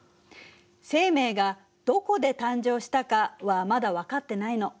生命がどこで誕生したかはまだ分かってないの。